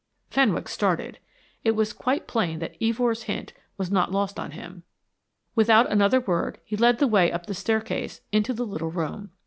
Fenwick started. It was quite plain that Evors' hint was not lost on him. Without another word he led the way up the staircase into the little room.